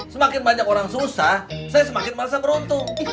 semakin banyak orang susah saya semakin merasa beruntung